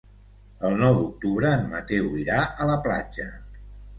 El nou d'octubre en Mateu irà a la platja.